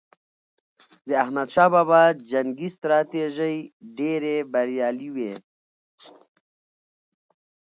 د احمد شاه بابا جنګي ستراتیژۍ ډېرې بریالي وي.